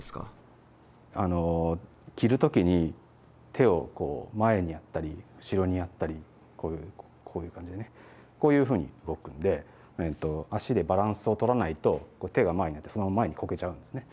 着る時に手を前にやったり後ろにやったりこういう感じでねこういうふうに動くんで足でバランスを取らないと手が前に行ってそのまま前にこけちゃうんですね。